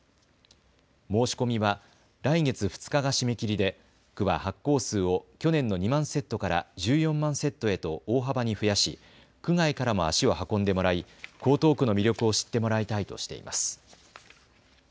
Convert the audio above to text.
申し込みは来月２日が締め切りで区は発行数を去年の２万セットから１４万セットへと大幅に増やし区外からも足を運んでもらい江東区の魅力を知ってもらいたいとしています。